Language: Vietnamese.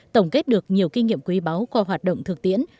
tổng kết được nhiều kinh nghiệm quý báo qua hoạt động thực tiễn